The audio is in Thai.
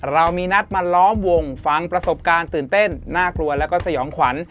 เรามีนัดมาล้อมวงฟังประสบการณ์ตื่นเต้นน่ากลัวแล้วก็สยองขวัญ